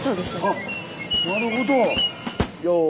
あっなるほど。